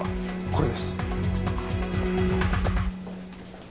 これです。